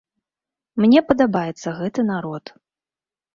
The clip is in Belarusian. Мне падабаецца гэты народ.